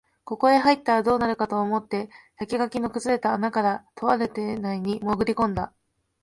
ここへ入ったら、どうにかなると思って竹垣の崩れた穴から、とある邸内にもぐり込んだ